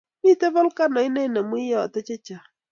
mito volkanoit ne inemu iyeto chechang